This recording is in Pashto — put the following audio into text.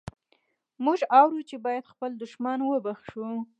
موږ اورو چې باید خپل دښمن وبخښو.